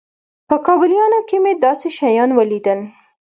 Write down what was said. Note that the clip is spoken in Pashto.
په کابليانو کښې مې داسې شيان وليدل.